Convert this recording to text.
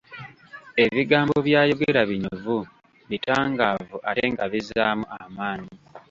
Ebigambo by'ayogera binyuvu, bitangaavu ate nga bizzaamu amaanyi.